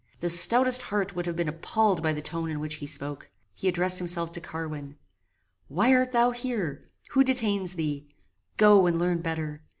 The stoutest heart would have been appalled by the tone in which he spoke. He addressed himself to Carwin. "Why art thou here? Who detains thee? Go and learn better.